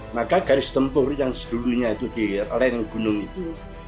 maka garis tempur yang sebelumnya itu di ren gunung itu